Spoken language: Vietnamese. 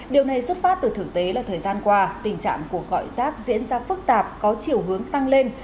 điều này xuất phát từ thực tế là thời gian qua tình trạng cuộc gọi rác diễn ra phức tạp có chiều hướng tăng lên